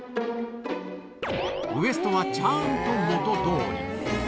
ウエストはちゃんと元どおり。